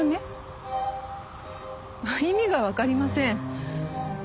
意味がわかりません。